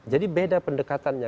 jadi beda pendekatannya